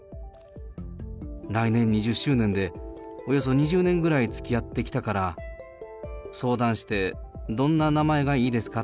来年２０周年で、およそ２０年ぐらいつきあってきたから、相談して、どんな名前がいいですか？